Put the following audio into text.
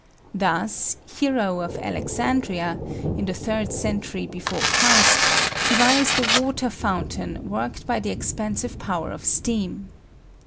Thus, Hero of Alexandria, in the third century B.C., devised a water fountain worked by the expansive power of steam.